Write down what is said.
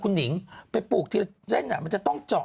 คุณหลิงไปปลูกไทยทีละเล่นมันจะต้องโหอ